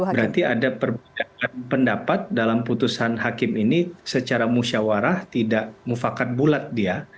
berarti ada perbedaan pendapat dalam putusan hakim ini secara musyawarah tidak mufakat bulat dia